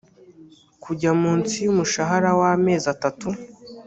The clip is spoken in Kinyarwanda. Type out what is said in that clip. kujya munsi y umushahara w amezi atatu